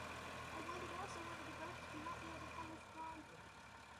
I wondered also whether the ghosts could not be overcome with strong drink.